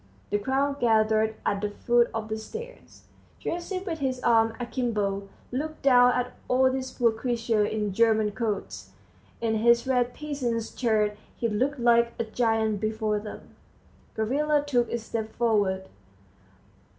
The crowd gathered at the foot of the stairs. Gerasim, with his arms akimbo, looked down at all these poor creatures in German coats; in his red peasant's shirt he looked like a giant before them. Gavrila took a step forward.